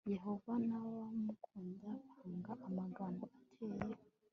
Yehova n abamukunda banga amagambo ateye